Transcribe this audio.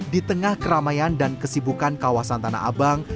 di tengah keramaian dan kesibukan kawasan tanah abang